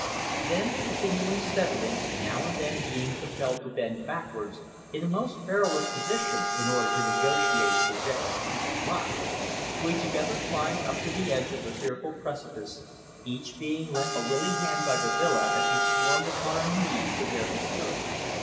Then continuing steadily, now and then being compelled to bend backwards in a most perilous position in order to negotiate a projecting piece of rock, we together climbed up to the edge of the fearful precipice, each being lent a willing hand by Babila as we swarmed upon our knees to where he stood.